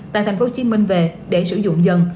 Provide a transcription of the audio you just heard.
tại thành phố hồ chí minh về để sử dụng dần